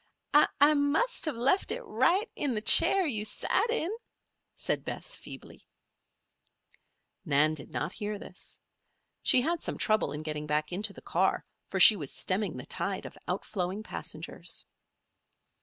"I must have left it right in the chair you sat in," said Bess, feebly. Nan did not hear this. She had some trouble in getting back into the car, for she was stemming the tide of outflowing passengers.